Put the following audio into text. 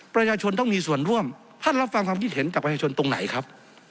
ประชาชนต้องมีส่วนร่วมท่านรับฟังความคิดเห็นจากประชาชนตรงไหนครับ